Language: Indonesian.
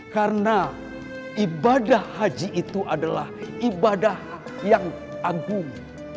karena ibadah haji itu adalah ibadah yang agung